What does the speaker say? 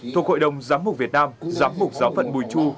thuộc hội đồng giám mục việt nam giám mục giáo phận bùi chu